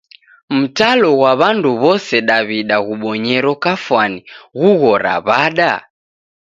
Mtalo ghwa w'andu w'ose daw'ida ghubonyero kafwani ghughora w'ada?